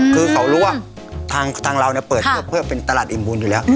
คือเขารู้ว่าทางเราเปิดเพื่อเป็นตลาดอิ่มบุญอยู่แล้ว